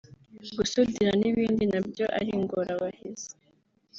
gusudira n’ibindi na byo ari ingorabahizi